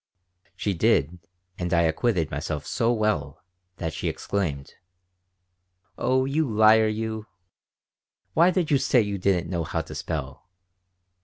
She did and I acquitted myself so well that she exclaimed: "Oh, you liar you! Why did you say you didn't know how to spell?"